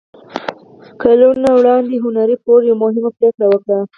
کلونه وړاندې هنري فورډ يوه مهمه پرېکړه وکړه.